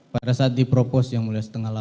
pada saat dipropos yang mulai setengah delapan